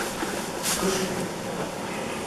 кышке